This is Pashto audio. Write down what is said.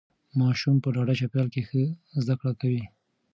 ماشوم په ډاډه چاپیریال کې ښه زده کړه کوي.